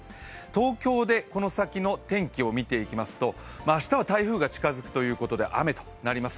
東京でこの先の天気を見ていきますと明日は台風が近づくということで雨となります。